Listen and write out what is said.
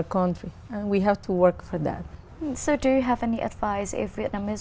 cho người việt nam